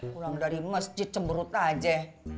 pulang dari masjid cemberut aja